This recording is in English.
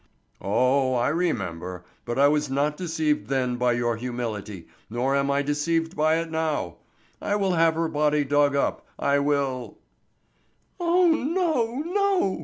"Oh, I remember; but I was not deceived then by your humility, nor am I deceived by it now, I will have her body dug up. I will—" "Oh, no! no!"